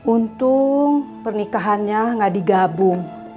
untung pernikahannya enggak digabung